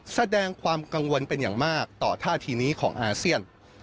แสดงความกังวลเป็นอย่างมากต่อท่าทีนี้ของอาเซียน